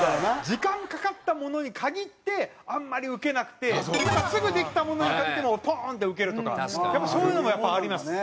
時間かかったものに限ってあんまりウケなくてすぐできたものに限ってポーンってウケるとかそういうのもやっぱあります。